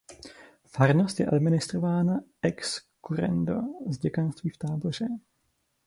Farnost je administrována ex currendo z děkanství v Táboře.